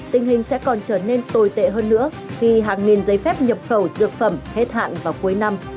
tình hình sẽ còn trở nên tồi tệ hơn nữa khi hàng nghìn giấy phép nhập khẩu dược phẩm hết hạn vào cuối năm